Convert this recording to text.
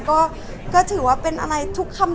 พอเสร็จจากเล็กคาเป็ดก็จะมีเยอะแยะมากมาย